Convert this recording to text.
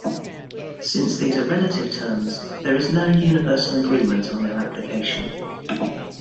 Since these are relative terms, there is no universal agreement on their application.